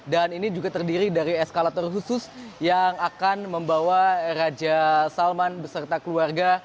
dan ini juga terdiri dari eskalator khusus yang akan membawa raja salman beserta keluarga